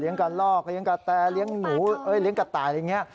กระลอกเลี้ยงกะแตเลี้ยงหนูเลี้ยงกระต่ายอะไรอย่างนี้